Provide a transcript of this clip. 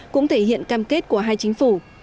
cũng thể hiện cam kết của hai chính phủ